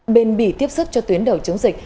bền bỉ tiếp sức cho tuyến đầu chống dịch